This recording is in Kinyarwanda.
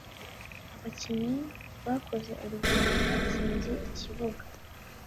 abakinnyi bakoze urugendo batsinze ikibuga